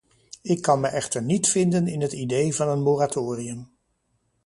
Ik kan mij echter niet vinden in het idee van een moratorium.